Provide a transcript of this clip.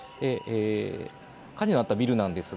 火事のあったビルなんですが